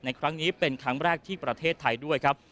ในครั้งนี้เป็นครั้งแรกที่ประเทศไทยด้วยครับ